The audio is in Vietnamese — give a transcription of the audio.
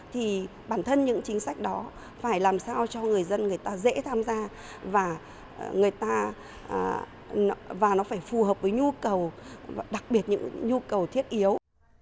thì bản thân những chính sách đó phải làm sao cho người dân người ta dễ tham gia và người ta và nó phải phù hợp với nhu cầu đặc biệt những nhu cầu thiết yếu